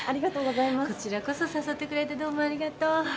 こちらこそ誘ってくれてどうもありがとう。